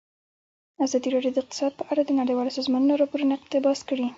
ازادي راډیو د اقتصاد په اړه د نړیوالو سازمانونو راپورونه اقتباس کړي.